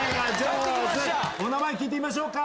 お名前聞いてみましょうか。